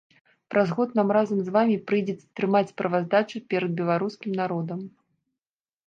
Праз год нам разам з вамі прыйдзецца трымаць справаздачу перад беларускім народам.